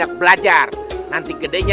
tapi boleh lah santosin geography kyknya